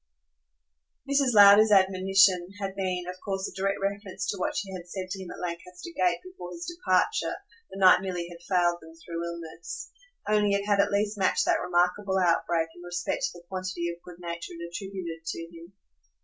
Mrs. Lowder's admonition had been of course a direct reference to what she had said to him at Lancaster Gate before his departure the night Milly had failed them through illness; only it had at least matched that remarkable outbreak in respect to the quantity of good nature it attributed to him.